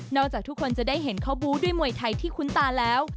จากทุกคนจะได้เห็นเขาบูธด้วยมวยไทยที่คุ้นตาแล้ว